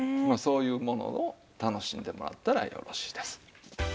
まあそういうものを楽しんでもらったらよろしいです。